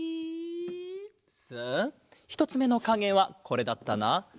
さあひとつめのかげはこれだったな。